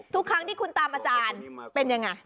ทุกครั้งที่คุณตามอาจารย์เป็นยังไง